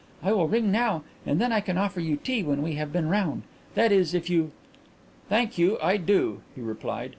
"I will ring now and then I can offer you tea when we have been round. That is, if you ?" "Thank you, I do," he replied.